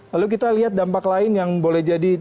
lalu kita lihat dampak lain yang boleh jadi